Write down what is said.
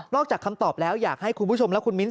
อกจากคำตอบแล้วอยากให้คุณผู้ชมและคุณมิ้นท